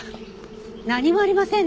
何もありませんね。